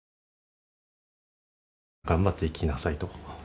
頑張って行きなさいと。